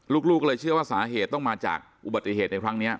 ลูกก็เลยเชื่อว่าสาเหตุต้องมาจากอุบัติเหตุในครั้งนี้